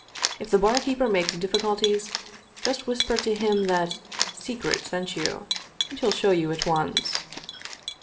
If the barkeeper makes difficulties just whisper to him that ' Secret ' sent you, and he'll show you at once."